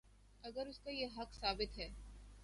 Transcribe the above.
اگراس کا یہ حق ثابت ہے۔